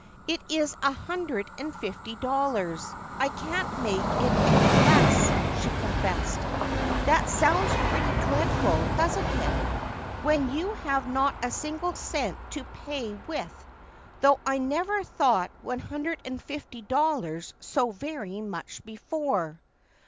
"It is a hundred and fifty dollars, I can't make it any less," she confessed. "That sounds pretty dreadful doesn't it, when you have not a single cent to pay with, though I never thought one hundred and fifty dollars so very much before.